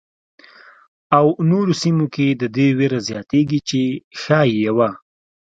او نورو سیمو کې د دې وېره زیاتېږي چې ښايي یوه.